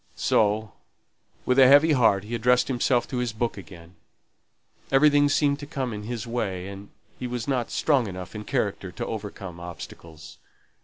So with a heavy heart he addressed himself to his book again. Everything seemed to come in his way, and he was not strong enough in character to overcome obstacles.